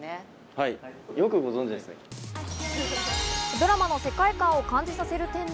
ドラマの世界観を感じさせる店内。